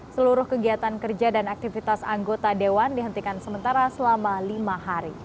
seluruh kegiatan kerja dan aktivitas anggota dewan dihentikan sementara selama lima hari